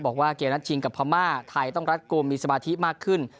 บอกว่าเกมนัดชิงกับพม่าไทยต้องรัดกลุ่มมีสมาธิมากขึ้น